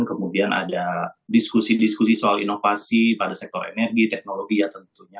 kemudian ada diskusi diskusi soal inovasi pada sektor energi teknologi ya tentunya